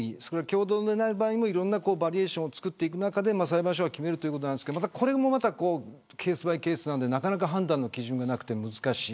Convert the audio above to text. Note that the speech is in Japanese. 共同でない場合もいろんなバリエーションをつくっていく中で裁判所が決めるということですがこれもケースバイケースなので判断の基準がなくて難しい。